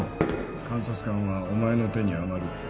監察官はお前の手に余るって。